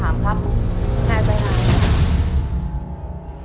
อีสี่ใบทุกนัก